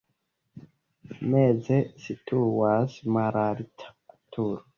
Meze situas malalta turo.